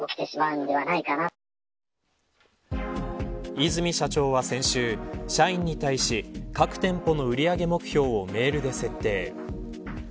和泉社長は先週社員に対し各店舗の売り上げ目標をメールで設定。